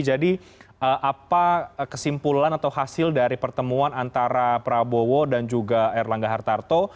apa kesimpulan atau hasil dari pertemuan antara prabowo dan juga erlangga hartarto